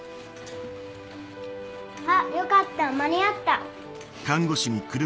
あっよかった間に合った。